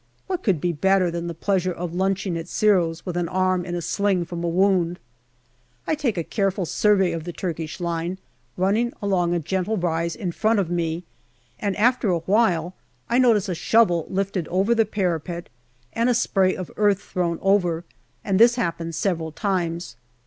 What could be better than the pleasure of lunching at Giro's with an arm in a sling from a wound ? I take a careful survey of the Turkish line, running along a gentle rise in front of me, and after a while, I notice a shovel lifted over the parapet and a spray of earth thrown over, and this happens several times.